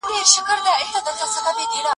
زه پرون لوبه وکړه!؟